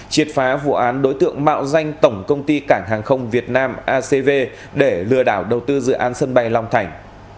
triệt phá vụ án đối tượng mạo danh tổng công ty cảng hàng không việt nam acv để lừa đảo đầu tư dự án sân bay long thành